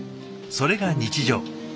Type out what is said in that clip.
それが日常。